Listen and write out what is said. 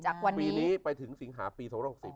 จากวันนี้ไปถึงสิงหาปี๒๖๐